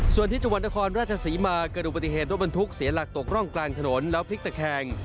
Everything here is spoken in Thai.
ส่วนที่จักรวรรณคอนราชศรีมาเกิดเป็นปันทุกข์เสียหลักตกร่องกลางถนนแล้วพลิกแต่แข่ง